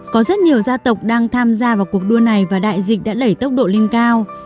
có rất nhiều gia tộc đang tham gia vào cuộc đua này và đại dịch đã đẩy tốc độ linh cao